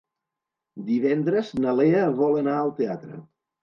Divendres na Lea vol anar al teatre.